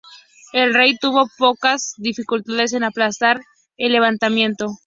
El rey tuvo pocas dificultades en aplastar el levantamiento.